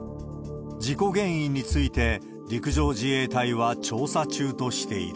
事故原因について、陸上自衛隊は調査中としている。